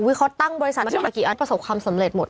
เขาตั้งบริษัทขึ้นมากี่อันประสบความสำเร็จหมด